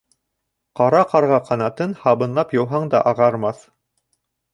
Ҡара ҡарға ҡанатын һабынлап йыуһаң да ағармаҫ.